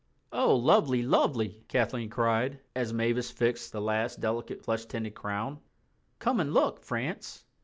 "Oh, lovely, lovely," Kathleen cried, as Mavis fixed the last delicate flesh tinted crown. "Come and look, France."